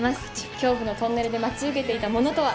恐怖のトンネルで待ち受けていたものとは？